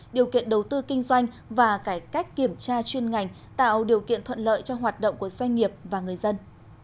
điều kiện đầu tư kinh doanh và cải cách kiểm tra chuyên ngành tạo điều kiện thuận lợi cho hoạt động của doanh nghiệp và người dân